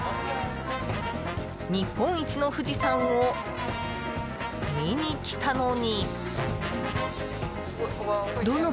日本一の富士山を見に来たのに。